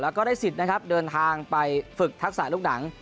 แล้วก็ได้สิทธิ์นะครับเดินทางไปฝึกทักษะลูกหนัง